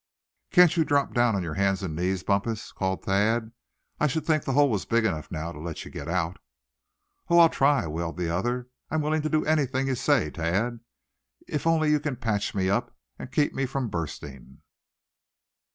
"Can't you drop down on your hands and knees, Bumpus?" called Thad. "I should think the hole was big enough now to let you get out." "Oh! I'll try," wailed the other; "I'm willing to do anything you say, Thad, if only you can patch me up, and keep me from bursting.